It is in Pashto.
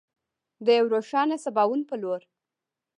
د یو روښانه سباوون په لور.